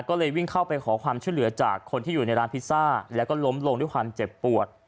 ก็เลยวิ่งเข้าไปขอความช่วยเหลือจากคนที่อยู่ในร้านพิซซ่าแล้วก็ล้มลงด้วยความเจ็บปวด